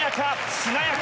しなやか！